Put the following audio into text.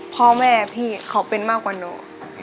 พ่อแม่พี่เขาเป็นมากกว่าหนู